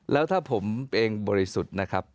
แล้วถ้าผมเองบริสุทธิ์นะครับ